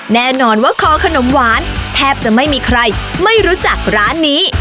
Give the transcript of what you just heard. แน่นอนว่าคอขนมหวานแทบจะไม่มีใครไม่รู้จักร้านนี้